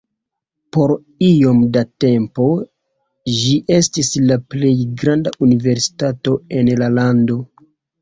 Por iom da tempo, ĝi estis la plej granda universitato en la lando.